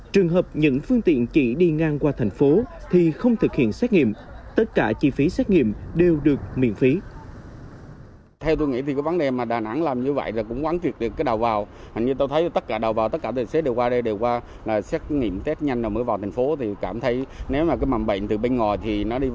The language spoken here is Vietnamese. trường hợp những phương tiện chỉ đi ngang qua thành phố thì không thực hiện xét nghiệm tất cả chi phí xét nghiệm đều được miễn phí